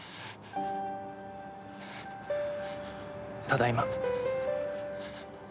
ただいま。